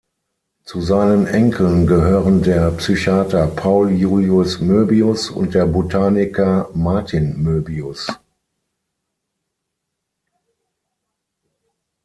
Zu seinen Enkeln gehören der Psychiater Paul Julius Möbius und der Botaniker Martin Möbius.